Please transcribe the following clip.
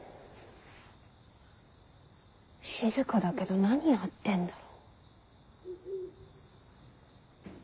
静かだけど何やってんだろ。